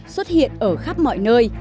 xuất hiện ở khắp mọi nơi